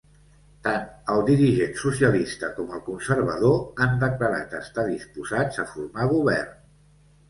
Tant el dirigent socialista com el conservador han declarat estar disposats a formar govern.